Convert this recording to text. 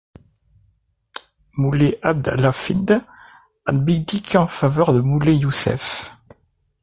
Moulay Abd al-Hafid abdique en faveur de Moulay Youssef.